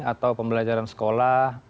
atau pembelajaran sekolah